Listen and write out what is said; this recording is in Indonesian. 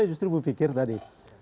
saya justru berpikir tadi